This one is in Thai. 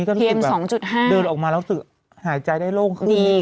เดินออกมาแล้วหายใจได้โล่งขึ้นนิดนึง